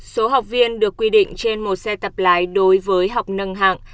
số học viên được quy định trên một xe tập lái đối với học nâng hạng